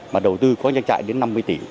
mà đầu tư có trang trại đến năm mươi tỷ